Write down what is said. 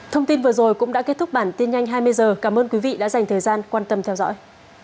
thông tin vừa rồi cũng đã kết thúc bản tin nhanh hai mươi h cảm ơn quý vị đã dành thời gian quan tâm theo dõi